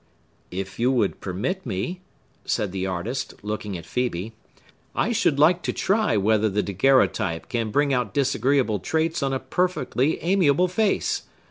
"If you would permit me," said the artist, looking at Phœbe, "I should like to try whether the daguerreotype can bring out disagreeable traits on a perfectly amiable face.